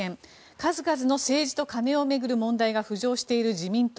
数々の政治と金を巡る問題が浮上している自民党。